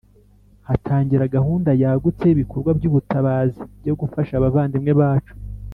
Hatangira gahunda yagutse y ibikorwa by ubutabazi byo gufasha abavandimwe bacu